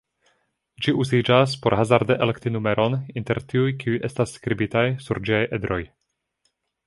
Ĝi uziĝas por hazarde elekti numeron inter tiuj kiuj estas skribitaj sur ĝiaj edroj.